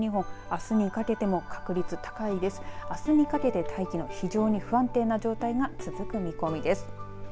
あすにかけても大気の非常に不安定な状態が続く見込みです。